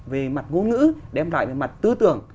về mặt ngôn ngữ đem lại về mặt tư tưởng